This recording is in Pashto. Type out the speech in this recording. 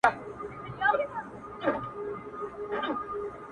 نه وي عشق کي دوې هواوي او یو بامه,